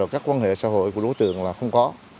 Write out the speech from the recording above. các quan hệ xã hội của đối tượng là không có